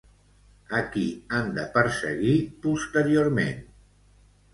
A qui han de perseguir posteriorment?